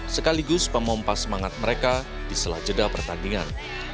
sekaligus pemompas semangat mereka di selajeda pertandingan